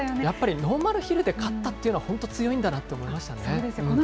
やっぱり、ノーマルヒルで勝ったというのは、本当に強いんだなって思いましたね。